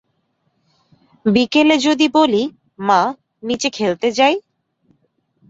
বিকেলে যদি বলি, মা নিচে খেলতে যাই?